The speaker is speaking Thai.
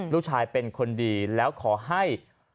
ลูกชายเป็นคนดี